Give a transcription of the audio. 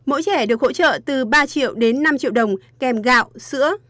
mỗi trẻ được hỗ trợ từ ba triệu đến năm triệu đồng kèm gạo sữa